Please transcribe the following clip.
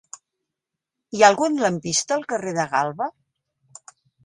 Hi ha algun lampista al carrer de Galba?